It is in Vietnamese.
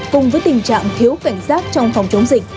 cùng với tình trạng thiếu cảnh giác trong phòng chống dịch